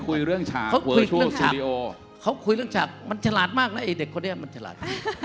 เขาคุยเรื่องฉากมันฉลาดมากนะไอ้เด็กคนนี้มันฉลาด